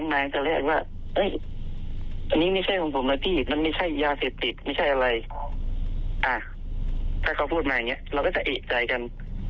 ถ้าเขาพูดมาอย่างนี้เราก็จะเอกใจกัน